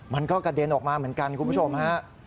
มันก็กระเด็นออกมาเหมือนกันคุณผู้ชมฮะ